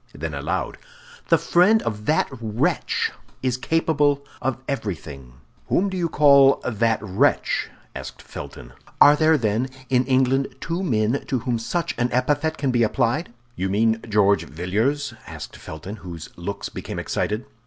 Then aloud, "The friend of that wretch is capable of everything." "Whom do you call that wretch?" asked Felton. "Are there, then, in England two men to whom such an epithet can be applied?" "You mean George Villiers?" asked Felton, whose looks became excited.